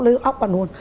lấy ốc vào nguồn